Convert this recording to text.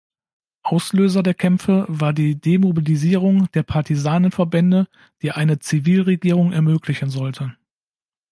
Auslöser der Kämpfe war die Demobilisierung der Partisanenverbände, die eine Zivilregierung ermöglichen sollte.